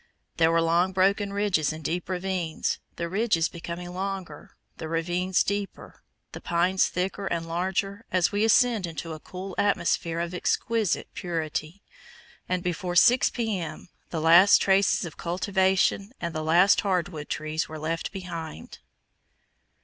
There were long broken ridges and deep ravines, the ridges becoming longer, the ravines deeper, the pines thicker and larger, as we ascended into a cool atmosphere of exquisite purity, and before 6 P.M. the last traces of cultivation and the last hardwood trees were left behind.